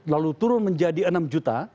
lalu turun menjadi enam juta